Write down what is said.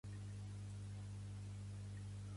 Relatiu al mag de la tribu celta.